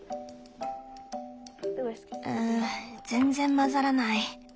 う全然混ざらない。